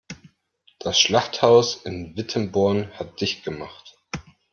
Das Schlachthaus in Wittenborn hat dicht gemacht.